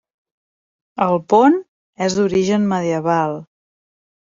El pont és d’origen medieval.